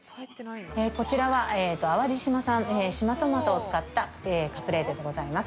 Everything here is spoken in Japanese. こちらは淡路島産島トマトを使ったカプレーゼでございます。